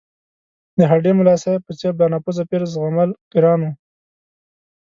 د هډې ملاصاحب په څېر بانفوذه پیر زغمل ګران وو.